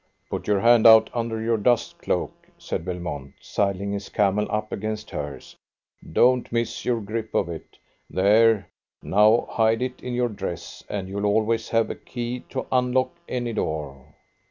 "Put your hand out under your dust cloak," said Belmont, sidling his camel up against hers. "Don't miss your grip of it. There! Now hide it in your dress, and you'll always have a key to unlock any door."